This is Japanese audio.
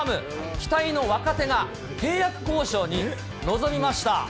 期待の若手が契約交渉に臨みました。